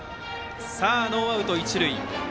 さあノーアウト、一塁。